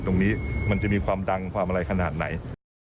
มันจะมีความดังความอะไรขนาดไหน